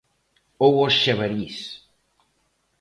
Ou aos xabarís.